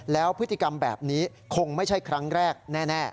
แล้วพฤติกรรมแบบนี้คงไม่ใช่ครั้งแรกแน่